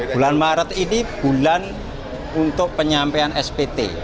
bulan maret ini bulan untuk penyampaian spt